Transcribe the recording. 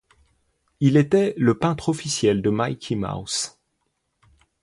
Il était le peintre officiel de Mickey Mouse.